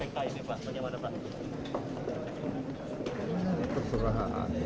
pak ahy ini pak bagaimana pak